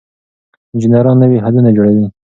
انجنیران نوي حلونه جوړوي.